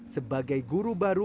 sebagai guru baru